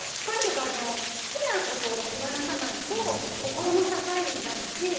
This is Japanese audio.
とにかくあの好きなことを手放さないと心の支えになるし